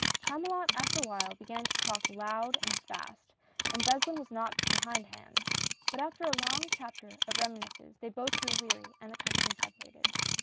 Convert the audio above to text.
Chamulot after a while began to talk loud and fast, and Beslin was not behindhand — but after a long chapter of reminiscences they both grew weary and the company separated.